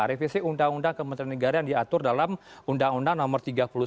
revisi undang undang kementerian negara yang diatur dalam undang undang nomor tiga puluh satu